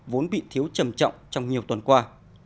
vốn bị thiếu trầm trọng trong nhiều tuần qua